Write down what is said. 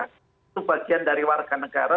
itu bagian dari warga negara